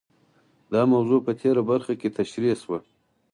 دا موضوع په تېره برخه کې تشرېح شوه.